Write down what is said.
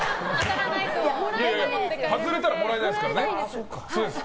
いや、外れたらもらえないですからね。